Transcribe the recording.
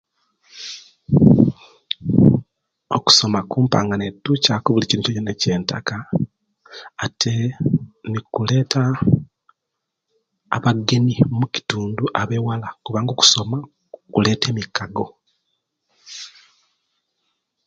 Okusoma kumpa nga netukyaku buli kintu kyonakyona ekiyentaka ate nekuleta abageni omukitundu abewala kubanga okusoma kuleta emikago